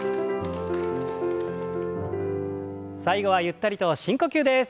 最後はゆったりと深呼吸です。